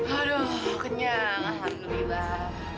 aduh kenyang alhamdulillah